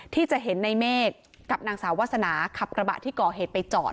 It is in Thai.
ที่จะเห็นในเมฆกับนางสาววาสนาขับกระบะที่ก่อเหตุไปจอด